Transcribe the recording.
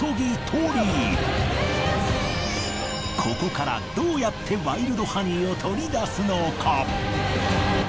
ここからどうやってワイルドハニーを採りだすのか？